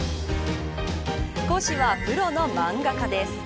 講師はプロの漫画家です。